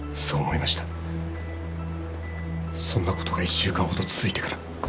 そんな事が１週間ほど続いてから。